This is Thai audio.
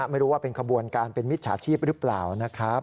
ไม่รู้ว่าเป็นขบวนการเป็นมิจฉาชีพหรือเปล่านะครับ